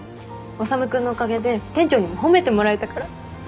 修君のおかげで店長にも褒めてもらえたから。